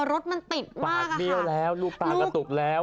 รถมันติดมากสักลูกตากระตุกแล้ว